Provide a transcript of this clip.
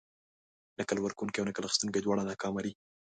نکل ورکونکي او نکل اخيستونکي دواړه ناکامه دي.